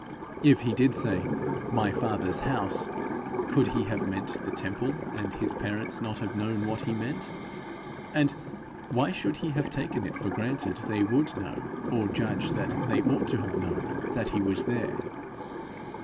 If he did say 'my father's house', could he have meant the temple and his parents not have known what he meant? And why should he have taken it for granted they would know, or judge that they ought to have known, that he was there?